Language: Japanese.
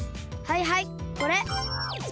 はいはいこれ。